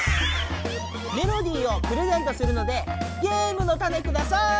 メロディーをプレゼントするのでゲームのタネください！